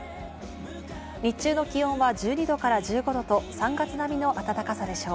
日中の気温は１２度から１５度と３月並みの暖かさでしょう。